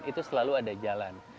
itu selalu ada jalan